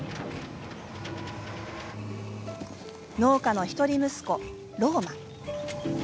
農家の一人息子、ロウマ。